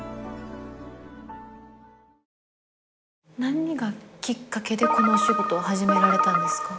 何がきっかけでこのお仕事を始められたんですか？